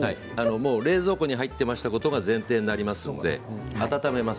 冷蔵庫に入っていたことが前提になりますので温めます。